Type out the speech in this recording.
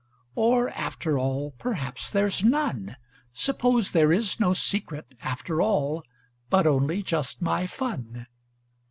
Or, after all, perhaps there's none: Suppose there is no secret after all, But only just my fun.